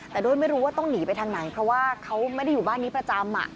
แต่ด้วยไม่รู้ว่าต้องหนีไปทางไหนเพราะว่าเขาไม่ได้อยู่บ้านนี้ประจำ